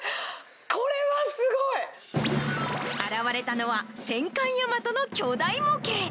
これは現れたのは、戦艦大和の巨大模型。